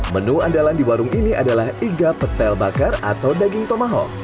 menu andalan di warung ini adalah iga petel bakar atau daging tomaho